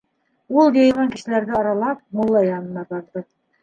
Ул, йыйылған кешеләрҙе аралап, мулла янына барҙы: